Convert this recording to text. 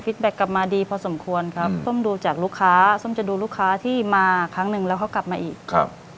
แก๊กกลับมาดีพอสมควรครับส้มดูจากลูกค้าส้มจะดูลูกค้าที่มาครั้งหนึ่งแล้วเขากลับมาอีกครับ